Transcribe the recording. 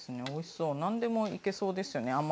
おいしそう何でもいけそうですよね